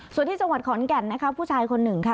ส่วนที่จังหวัดขอนแก่นนะคะผู้ชายคนหนึ่งค่ะ